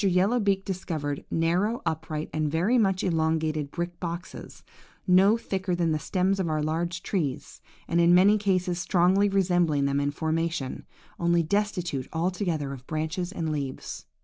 Yellow beak discovered narrow, upright, and very much elongated brick boxes, no thicker than the stems of our large trees, and in many cases strongly resembling them in formation, only destitute altogether of branches and leaves.